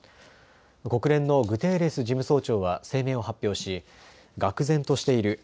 国連のグテーレス事務総長は声明を発表し、がく然としている。